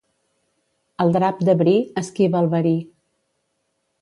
El drap de bri esquiva el verí.